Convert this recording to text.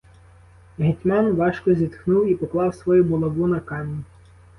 Гетьман важко зітхнув і поклав свою булаву на камінь.